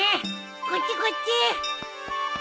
こっちこっち。